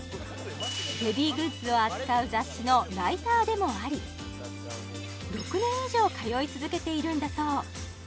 ベビーグッズを扱う雑誌のライターでもあり６年以上通い続けているんだそう